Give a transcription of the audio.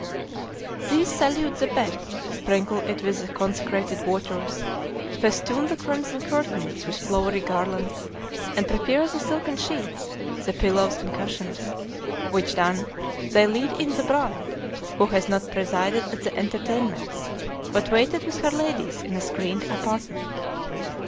These salute the bed, sprinkle it with the consecrated waters, festoon the crimson curtains with flowery garlands, and prepare the silken sheets, the pillows and cushions; which done, they lead in the bride, who has not presided at the entertainments, but waited with her ladies in a screened apartment.